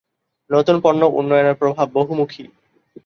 নতুন পণ্য উন্নয়নের প্রভাব বহুমুখী।